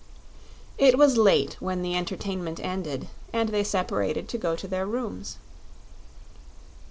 It was late when the entertainment ended, and they separated to go to their rooms.